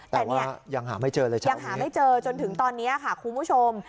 แต่ว่ายังหาไม่เจอเลยใช่ไหมยังหาไม่เจอจนถึงตอนนี้ค่ะคุณผู้ชม